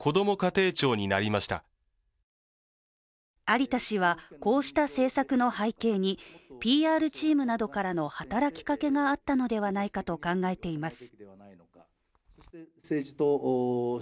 有田氏はこうした政策の背景にＰＲチームなどからの働きかけがあったのではないかと考えています。